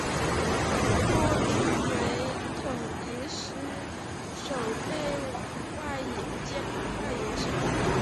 过去为统一狮守备外野手。